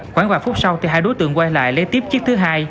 khoảng vài phút sau thì hai đối tượng quay lại lấy tiếp chiếc thứ hai